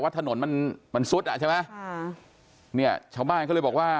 ถนนมันมันซุดอ่ะใช่ไหมค่ะเนี่ยชาวบ้านเขาเลยบอกว่า